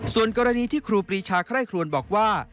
ส่วนกรณีที่ครูปรีชาไคร่ครวนบอกว่า